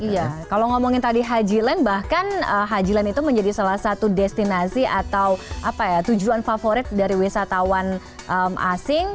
iya kalau ngomongin tadi haji land bahkan hajilan itu menjadi salah satu destinasi atau apa ya tujuan favorit dari wisatawan asing